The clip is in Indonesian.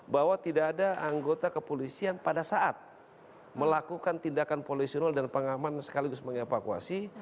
bahwa tidak ada anggota kepolisian pada saat melakukan tindakan polisional dan pengaman sekaligus mengevakuasi